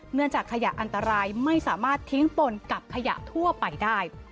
เนื่องจากขยะอันตรายไม่สามารถทิ้งปนกับขยะทั่วไปได้